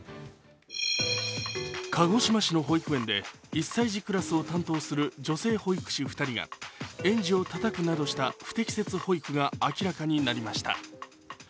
鹿児島市の保育園で１歳児クラスを担当する女性保育士２人が園児をたたくなどした不適切保育が明らかになりました。